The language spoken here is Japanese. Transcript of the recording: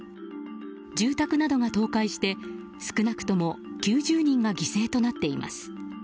住宅などが倒壊して少なくとも９０人が犠牲となっています。